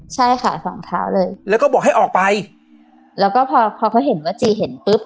ใช่ค่ะฝั่งเท้าเลยแล้วก็บอกให้ออกไปแล้วก็พอพอเขาเห็นว่าจีเห็นปุ๊บ